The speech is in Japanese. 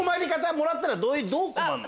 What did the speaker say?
もらったらどう困るの？